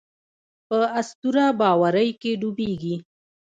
په اسطوره باورۍ کې ډوبېږي.